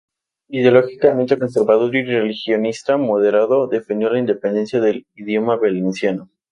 Ideológicamente conservador y regionalista moderado, defendió la independencia del idioma valenciano.